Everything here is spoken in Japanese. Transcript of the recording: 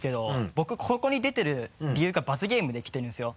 僕ここに出てる理由が罰ゲームで来てるんですよ。